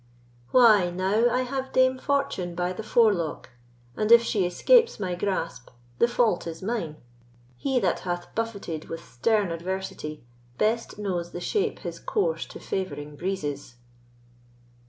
Why, now I have Dame Fortune by the Forelock, And if she escapes my grasp, the fault is mine; He that hath buffeted with stern adversity Best knows the shape his course to favouring breezes.